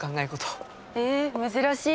へえ珍しい。